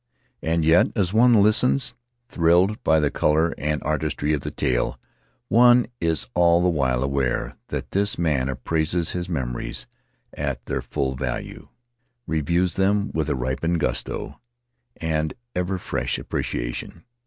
And yet as one listens, thrilled by the color and artistry of the tale, one is all the while aware that this man appraises his memories at their full value — reviews them with a ripened gusto, an ever fresh appreciation.